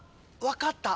分かった。